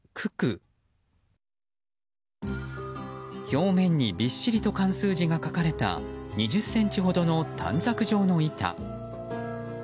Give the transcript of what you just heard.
表面にびっしりと漢数字が書かれた２０ｃｍほどの短冊状の板。